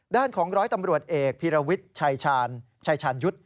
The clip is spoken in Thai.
ด้านของร้อยตำรวจเอกพิรวิตชัยชันยุทธ์